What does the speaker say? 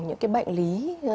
những cái bệnh lý